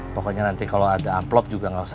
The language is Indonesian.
pokoknya nanti kalau ada amplop juga nggak usah